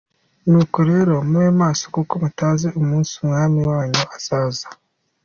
nuko rero mube maso kuko mutazi umunsi Umwami wanyu azazaho.